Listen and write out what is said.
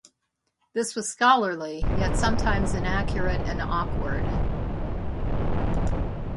This was scholarly, yet sometimes inaccurate and awkward.